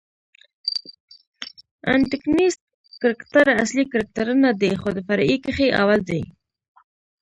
انټکنیسټ کرکټراصلي کرکټرنه دئ، خو د فرعي کښي اول دئ.